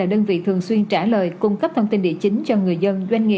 xin mời quý vị cùng theo dõi